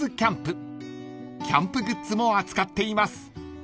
［キャンプグッズも扱っています］